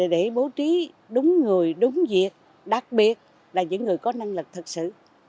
để bố trí đúng người đúng việc đặc biệt là những người có năng lực thực sự